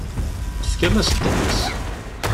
Tefkam-as ddḥis.